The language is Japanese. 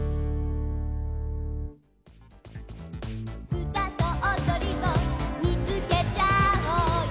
「うたとおどりを見つけちゃおうよ」